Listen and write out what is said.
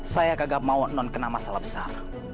saya kagak mau non kena masalah besar